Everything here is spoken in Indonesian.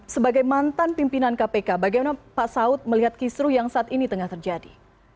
sebagai mantan pimpinan kpk bagaimana pak saud melihat kisru yang saat ini tengah terjadi